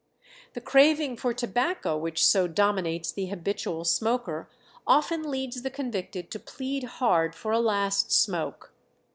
The craving for tobacco which so dominates the habitual smoker often leads the convicted to plead hard for a last smoke.